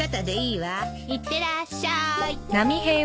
いってらっしゃい。